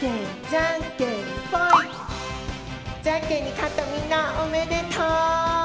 ジャンケンに勝ったみんなおめでとう！